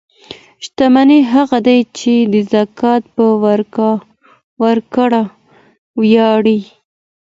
شتمن هغه دی چې د زکات په ورکړه ویاړي.